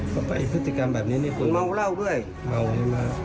เขาไปกินพฤติกรรมแบบนี้คุณเม้าเหล้าด้วย